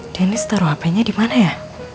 dennis taruh hpnya dimana ya